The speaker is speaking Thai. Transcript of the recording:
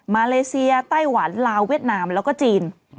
เลเซียไต้หวันลาวเวียดนามแล้วก็จีน